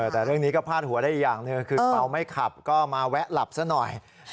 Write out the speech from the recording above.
แต่เรื่องนี้ก็พาดหัวได้อีกอย่างหนึ่งคือเมาไม่ขับก็มาแวะหลับซะหน่อย